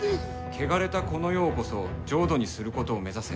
「汚れたこの世をこそ浄土にすることを目指せ」。